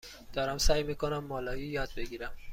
دارم سعی می کنم مالایی یاد بگیرم.